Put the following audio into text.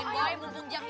aduh aduh kayaknya gue